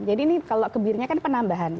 jadi ini kalau kebirnya kan penambahan